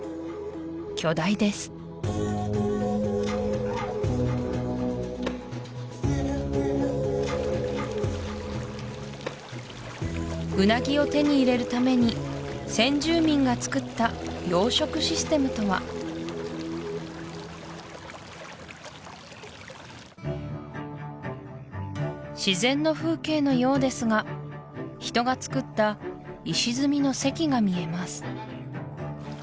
巨大ですウナギを手に入れるために先住民がつくった養殖システムとは自然の風景のようですが人がつくった石積みの堰が見えます